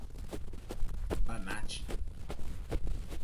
Bannach